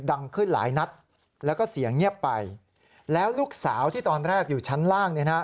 ดังขึ้นหลายนัดแล้วก็เสียงเงียบไปแล้วลูกสาวที่ตอนแรกอยู่ชั้นล่างเนี่ยนะฮะ